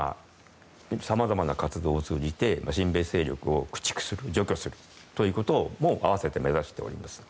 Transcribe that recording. さまざまな活動を通じて親米勢力を駆逐する、除去することも併せて目指しております。